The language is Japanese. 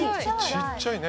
ちっちゃいね。